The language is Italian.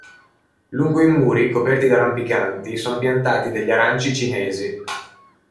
Lungo i muri, coperti da rampicanti, sono piantati degli aranci cinesi.